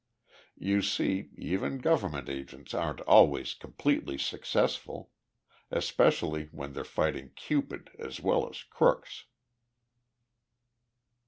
You see, even government agents aren't always completely successful especially when they're fighting Cupid as well as crooks!"